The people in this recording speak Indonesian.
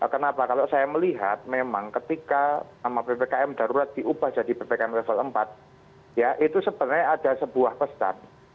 kenapa kalau saya melihat memang ketika nama ppkm darurat diubah jadi ppkm level empat ya itu sebenarnya ada sebuah pesan